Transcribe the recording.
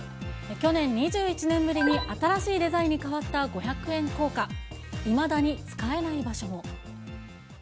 去年、２１年ぶりに新しいデザインに変わった五百円硬貨、いまだに使えない場所も。